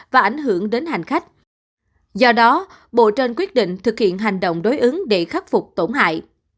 và ảnh hưởng đến hành khách do đó bộ trên quyết định thực hiện hành động đối ứng để khắc phục tổn hại